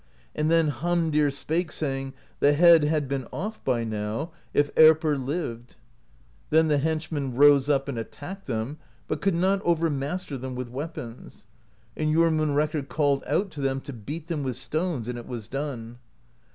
And then Hamdir spake, saying: 'The head had been off by now, if Erpr lived.' Then the henchmen rose up and attacked them, but could not overmaster them with weapons; and Jormunrekkr called out to them to beat them with stones, and it was done.